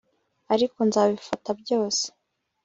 ariko nzabifata byose